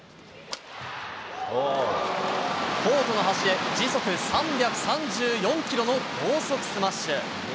コートの端へ、時速３３４キロの高速スマッシュ。